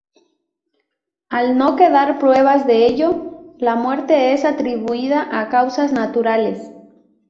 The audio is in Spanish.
Al no quedar pruebas de ello, la muerte es atribuida a causas naturales.